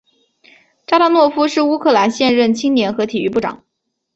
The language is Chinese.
扎达诺夫是乌克兰现任青年和体育部长。